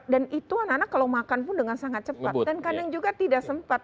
dan itu anak anak kalau makan pun dengan sangat cepat dan kadang juga tidak sempat